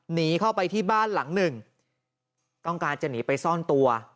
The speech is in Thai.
หนีเข้าไปที่บ้านหลังหนึ่งต้องการจะหนีไปซ่อนตัว